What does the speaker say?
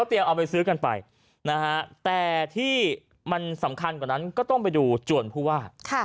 เอาไปซื้อกันไปนะฮะแต่ที่มันสำคัญกว่านั้นก็ต้องไปดูจวนผู้ว่า